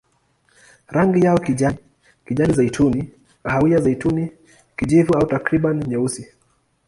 Rangi yao kijani, kijani-zeituni, kahawia-zeituni, kijivu au takriban nyeusi.